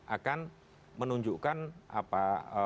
akan menunjukkan apa